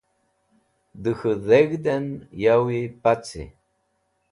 Dẽ k̃hũ dheg̃hd en yawi paci.